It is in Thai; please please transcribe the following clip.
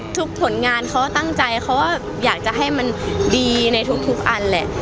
ผลงานเขาตั้งใจเขาก็อยากจะให้มันดีในทุกอันแหละ